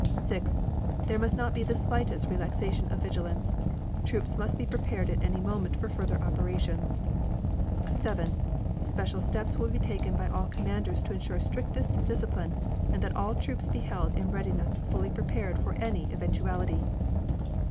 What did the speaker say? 6. There must not be the slightest relaxation of vigilance. Troops must be prepared at any moment for further operations. 7. Special steps will be taken by all commanders to insure strictest discipline and that all troops be held in readiness fully prepared for any eventuality.